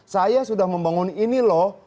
saya sudah membangun ini loh